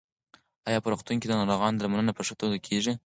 ایا په روغتون کې د ناروغانو درملنه په ښه توګه کېږي؟